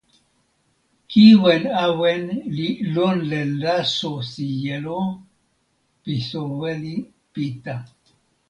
kiwen awen li lon len laso sijelo pi soweli Pita.